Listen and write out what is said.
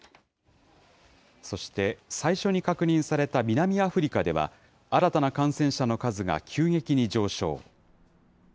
そして、最初に確認された南アフリカでは、新たな感染者の数が急激に上昇。